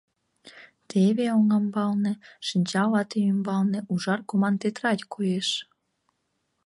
Теве, оҥамбалне, шинчал ате ӱмбалне, ужар коман тетрадь коеш!